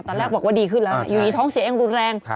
ตอนแรกบอกว่าดีขึ้นแล้วอยู่ดีท้องเสียเองรุนแรง